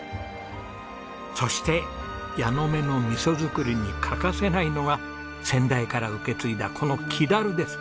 そして矢ノ目の味噌作りに欠かせないのが先代から受け継いだこの木樽です。